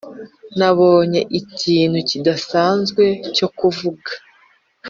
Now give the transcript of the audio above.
nabonye ikintu kidasanzwe cyo kuvuga,